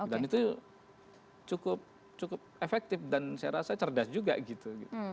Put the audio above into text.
dan itu cukup efektif dan saya rasa cerdas juga gitu